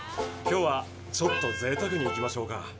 今日はちょっとぜいたくにいきましょうか。